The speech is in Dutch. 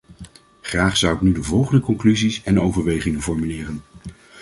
Graag zou ik nu de volgende conclusies en overwegingen formuleren.